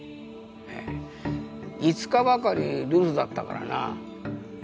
５日ばかり留守だったからな。